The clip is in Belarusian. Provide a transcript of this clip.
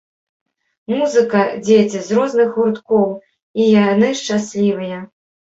Музыка, дзеці з розных гурткоў, і яны шчаслівыя.